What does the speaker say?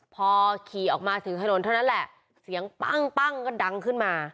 พอขี่ออกมาถึงถนนเท่านั้นแหละเสียงปั้งปั้งก็ดังขึ้นมา